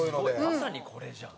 まさにこれじゃん。